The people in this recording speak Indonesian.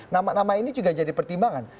nama nama ini juga jadi pertimbangan